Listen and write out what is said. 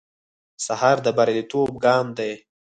سهار د بریالیتوب ګام دی.